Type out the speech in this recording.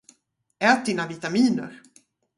Ät dina vitaminer!